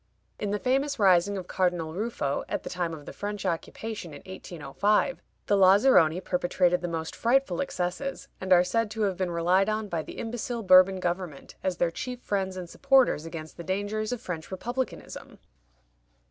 In the famous rising of Cardinal Ruffo, at the time of the French occupation in 1805, the Lazaroni perpetrated the most frightful excesses, and are said to have been relied on by the imbecile Bourbon government as their chief friends and supporters against the dangers of French Republicanism.